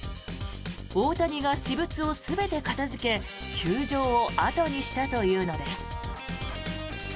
大谷が私物を全て片付け球場を後にしたというのです。